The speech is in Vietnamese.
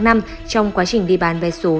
trong quá trình đi bàn vé số